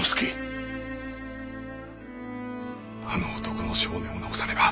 あの男の性根を直さねば。